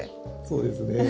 そうですね。